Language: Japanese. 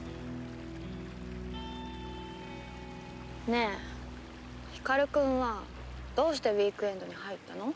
ねえ光くんはどうしてウィークエンドに入ったの？